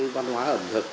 văn hóa ẩm thực